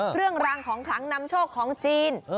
เครื่องรางของขลังนำโชคของจีน